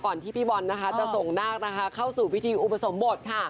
ก่อนที่พี่บอลจะส่งหน้านะคะเข้าสู่วิธีอุปสรมบทค่ะ